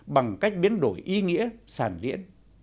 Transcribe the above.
bằng cách biến đổi ý nghĩa sản diễn